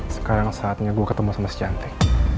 sekarang saatnya gue ketemu sama si cantik